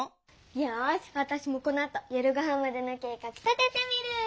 よしわたしもこのあと夜ごはんまでの計画立ててみる！